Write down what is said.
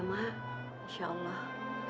mak insya allah